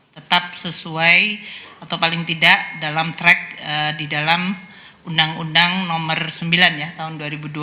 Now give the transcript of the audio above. tetap sesuai atau paling tidak dalam track di dalam undang undang nomor sembilan ya tahun dua ribu dua